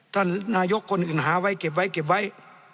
ท่านนายกคนอื่นหาไว้เก็บไว้เก็บไว้